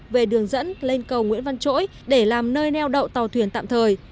về đường dẫn lên cầu nguyễn văn chỗi để làm nơi neo đậu tàu thuyền tạm thời